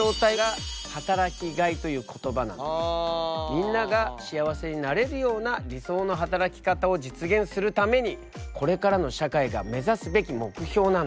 みんなが幸せになれるような理想の働き方を実現するためにこれからの社会が目指すべき目標なんだ。